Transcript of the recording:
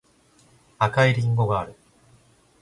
赤いりんごがある